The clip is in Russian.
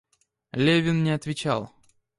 Левин не отвечал.